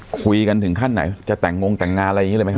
คุยกันถึงขั้นไหนจะแต่งงแต่งงานอะไรอย่างนี้เลยไหมฮ